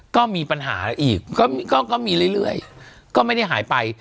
ก็มีปัญหาอีกก็มีก็ก็มีเรื่อยเรื่อยก็ไม่ได้หายไป